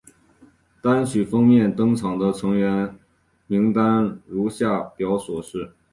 单曲封面登场的成员名单如下表所示。